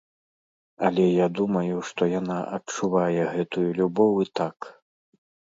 Але я думаю, што яна адчувае гэтую любоў і так.